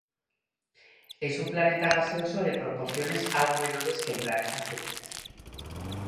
Es un planeta gaseoso de proporciones algo menores que el planeta Júpiter.